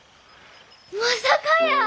まさかやー。